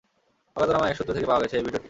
অজ্ঞাতনামা এক সূত্র থেকে পাওয়া গেছে এই ভিডিওটি।